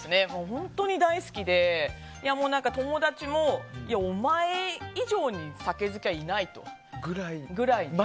本当に大好きで友達も、お前以上に酒好きはいないと。